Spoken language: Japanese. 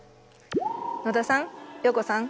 野田さん陽子さん